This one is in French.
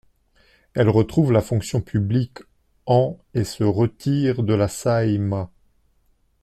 Elle retrouve la fonction publique en et se retire de la Saeima.